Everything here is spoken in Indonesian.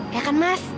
ya kan mas